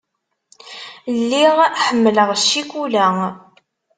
Lliɣ ḥemmleɣ ccikula.